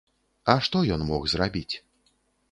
А што ён мог зрабіць?